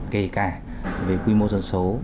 kể cả về quy mô dân số